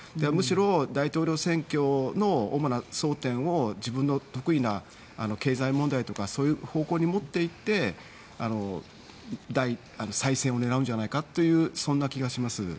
むしろ大統領選挙の主な争点を自分の得意な経済問題とかそういう方向にもっていって再選を狙うんじゃないかというそんな気がします。